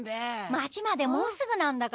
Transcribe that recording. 町までもうすぐなんだから。